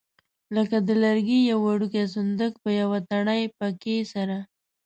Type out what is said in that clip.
لکه د لرګي یو وړوکی صندوق په یوه تڼۍ پکې سره.